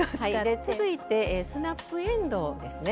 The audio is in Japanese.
で続いてスナップえんどうですね。